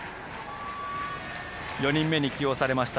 ４人目に起用されました